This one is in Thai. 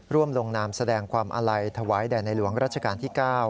ร่วมลงนามแสดงความอาลัยถวายแด่ในหลวงรัชกาลที่๙